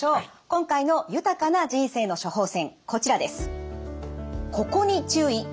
今回の豊かな人生の処方せんこちらです。